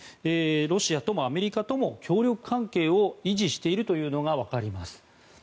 ロシアともアメリカとも協力関係を維持しているというのがわかります。